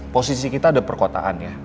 posisi kita ada perkotaan ya